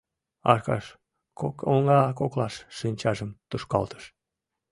Аркаш кок оҥа коклаш шинчажым тушкалтыш...